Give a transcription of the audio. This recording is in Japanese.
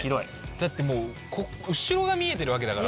だってもう後ろが見えてるわけだから。